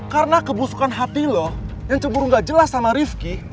karena kebusukan hati lo yang cemburu ga jelas sama rifki